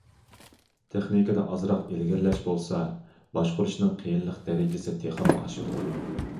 تېخنىكىدا ئازراق ئىلگىرىلەش بولسا، باشقۇرۇشنىڭ قىيىنلىق دەرىجىسى تېخىمۇ ئاشىدۇ.